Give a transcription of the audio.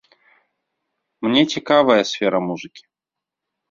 Мне цікавая сфера музыкі.